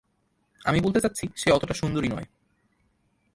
আমি বলতে চাচ্ছি, সে অতটা সুন্দরী নয়।